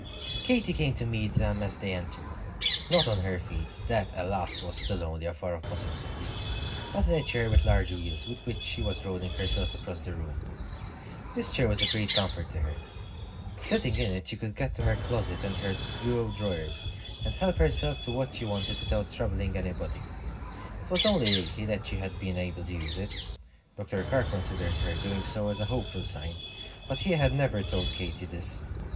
Katy came to meet them as they entered. Not on her feet: that, alas! was still only a far off possibility; but in a chair with large wheels, with which she was rolling herself across the room. This chair was a great comfort to her. Sitting in it, she could get to her closet and her bureau drawers, and help herself to what she wanted without troubling anybody. It was only lately that she had been able to use it. Dr. Carr considered her doing so as a hopeful sign, but he had never told Katy this.